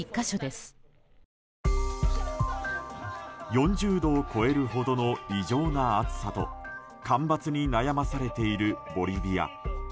４０度を超えるほどの異常な暑さと干ばつに悩まされているボリビア。